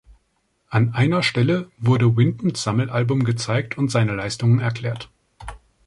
An einer Stelle wurde Wintons Sammelalbum gezeigt und seine Leistungen erklärt.